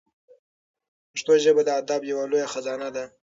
پښتو ژبه د ادب یوه لویه خزانه ده.